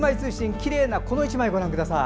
きれいな１枚、ご覧ください。